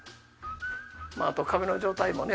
あと壁の状態もね